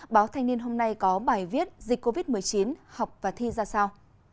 báo thanh niên hôm nay có bài viết dịch covid một mươi chín học và thi ra sao